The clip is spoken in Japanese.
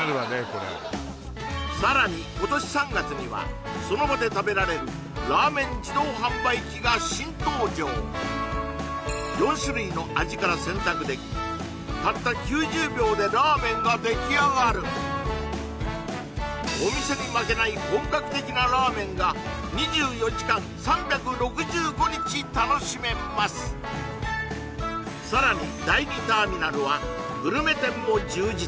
これさらに今年３月にはその場で食べられるラーメン自動販売機が新登場４種類の味から選択できたった９０秒でラーメンが出来上がるお店に負けない本格的なラーメンが２４時間３６５日楽しめますさらに